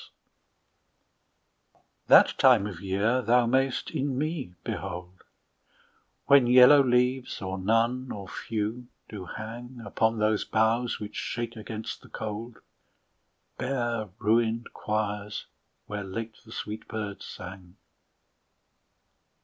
73 That time of year thou mayst in me behold, When yellow leaves, or none, or few do hang Upon those boughs which shake against the cold, Bare ruined choirs, where late the sweet birds sang.